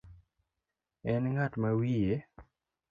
En ng'at ma wiye